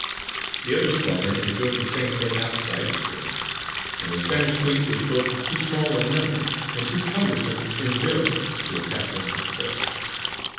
The other squadron was doing the same thing outside the straits, and the Spanish fleet was both too small in number and too cumbrous in build to attack them successfully.